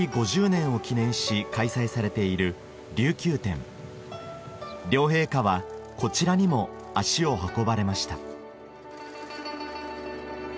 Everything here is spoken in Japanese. ５０年を記念し開催されている琉球展両陛下はこちらにも足を運ばれました